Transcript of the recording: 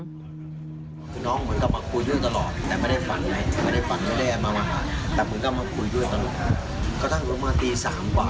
ก็จะเห็นภาพน้องอินมาก